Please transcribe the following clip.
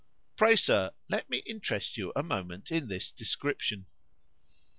Pray, Sir, let me interest you a moment in this description.